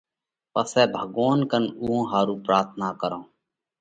پسئہ ڀڳوونَ ڪنَ اُوئون ۿارُو پراٿنا ڪرونھ،